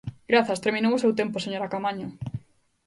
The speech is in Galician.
Grazas, terminou o seu tempo, señora Caamaño.